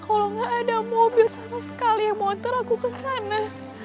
kalau gak ada mobil sama sekali yang mau antar aku ke sana